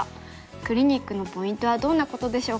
クリニックのポイントはどんなことでしょうか。